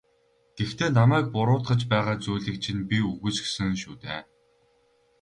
Гэхдээ намайг буруутгаж байгаа зүйлийг чинь би үгүйсгэсэн шүү дээ.